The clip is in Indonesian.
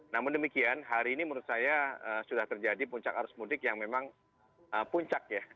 namun demikian hari ini menurut saya sudah terjadi puncak arus mudik yang memang puncak ya